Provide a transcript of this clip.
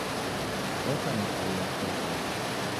Oka na boi wa chokwa